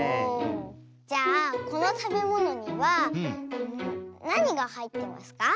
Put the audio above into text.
じゃあこのたべものにはなにがはいってますか？